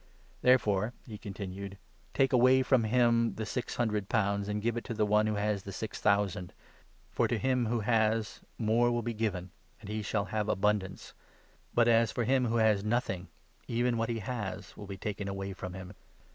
There 28 fore,' he continued, ' take away from him the six hundred pounds, and give it to the one who has the six thousand. For, 29 to him who has, more will be given, and he shall have abund ance ; but, as for him who has nothing, even what he has will be taken away from him.